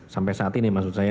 sampai saat ini maksud saya